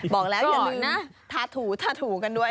บอกแล้วอย่าลืมนะทาถูทาถูกันด้วย